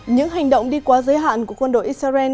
những hành động đi quá giới hạn của quân đội israel